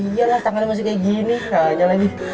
iya lah tangannya masih kayak gini kalah aja lagi